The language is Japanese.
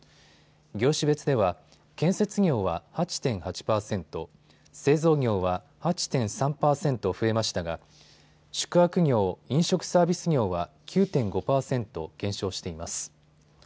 業種別では建設業は８．８％、製造業は８．３％増えましたが宿泊業・飲食サービス業は９．５％減少しています。